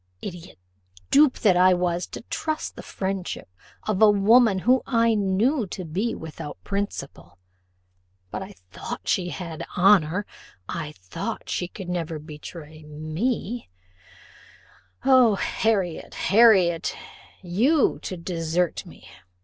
idiot! dupe that I was to trust to the friendship of a woman whom I knew to be without principle: but I thought she had honour; I thought she could never betray me, O Harriot! Harriot! you to desert me!